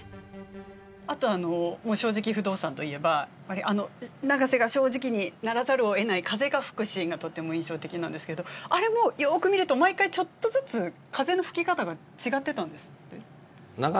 あと「正直不動産」といえば永瀬が正直にならざるをえない風が吹くシーンがとても印象的なんですけどあれもよく見ると毎回ちょっとずつ風の吹き方が違ってたんですって？